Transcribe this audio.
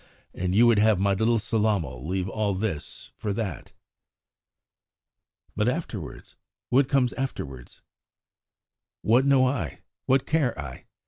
And you would have my little Sellamal leave all this for that!" "But afterwards? What comes afterwards?" "What know I? What care I?